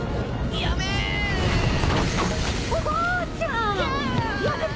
やめて！